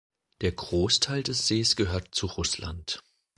Der Großteil des Sees gehört zu Russland.